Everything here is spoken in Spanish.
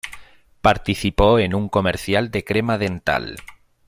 Participó en un comercial de crema dental.